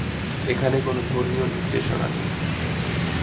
এখানে কোন ধর্মীয় নির্দেশনা নেই।